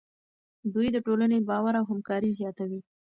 دوی د ټولنې باور او همکاري زیاتوي.